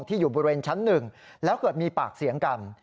อยู่บริเวณชั้น๑แล้วเกิดมีปากเสียงกัน